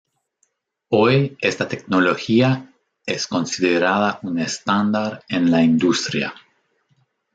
Hoy, esta tecnología es considerada un estándar en la industria.